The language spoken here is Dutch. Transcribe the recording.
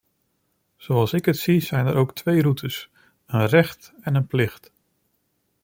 Zoals ik het zie, zijn er ook twee routes: een recht en een plicht.